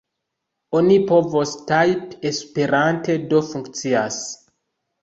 Oni povos tajpi esperante, do funkcias.